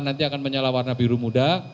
nanti akan menyala warna biru muda